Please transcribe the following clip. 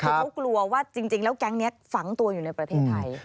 คือเขากลัวว่าจริงแล้วแก๊งนี้ฝังตัวอยู่ในประเทศไทย